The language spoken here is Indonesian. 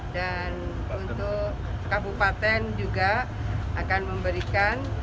dan untuk kabupaten juga akan memberikan